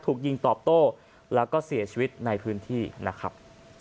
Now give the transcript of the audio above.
ถูกยิงตอบโต้แล้วก็เสียชีวิตในพื้นที่นะครับ